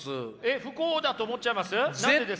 不幸だと思っちゃいます？